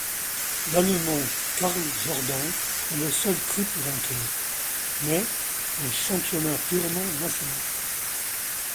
L'Allemand Karl Jordan est le seul triple vainqueur, mais en championnat purement national.